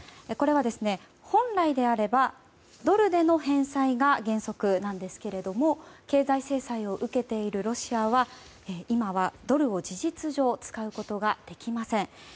これは本来であればドルでの返済が原則なんですけれども経済制裁を受けているロシアは今はドルを事実上使うことができません。